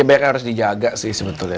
ya banyak yang harus dijaga sih sebetulnya